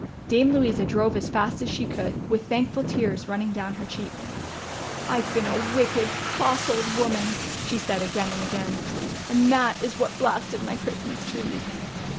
Dame Louisa drove as fast as she could, with thank 28 o THE CHILDREN'S WONDER BOOK. ful tears running down her cheeks. " I've been a wicked, cross old woman," said she again and again, " and that is what blasted my Christmas trees."